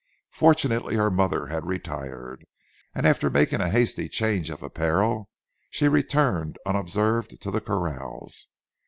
Fortunately her mother had retired, and after making a hasty change of apparel, she returned unobserved to the corrals.